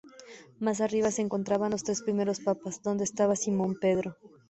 Más arriba se encontraban los tres primeros Papas, donde estaba Simón Pedro.